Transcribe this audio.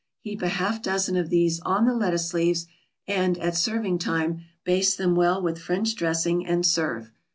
Heap a half dozen of these on the lettuce leaves, and, at serving time, baste them well with French dressing, and serve.